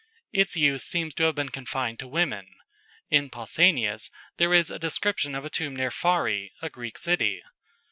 "] Its use seems to have been confined to women. In Pausanias there is a description of a tomb near Pharæ, a Greek city.